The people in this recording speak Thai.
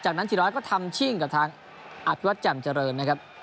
จากนั้นธิรวัตรก็ทำชิ่งกับทางอภิวัตรแจ่มเจริญนะครับ